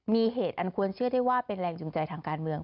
มีเหตุอันควรเชื่อได้ว่าเป็นแรงจูงใจทางการเมือง